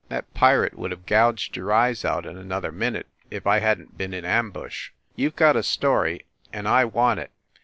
That pirate would have gouged your eyes out in another minute if I hadn t been in ambush. You ve got a story, and I want it.